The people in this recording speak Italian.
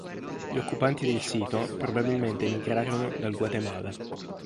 Gli occupanti del sito probabilmente migrarono dal Guatemala.